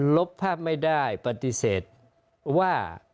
ลบภาพไม่ได้ปฏิเสธว่า